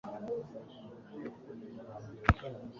Uhoraho impuhwe zawe zihoraho ubuziraherezo